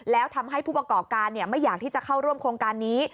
แล้วทำให้ผู้ประกอบการไม่อยากที่จะเข้าร่วมโครงการนี้